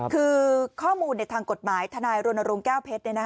คือข้อมูลในทางกฎหมายทนายรณรงค์แก้วเพชร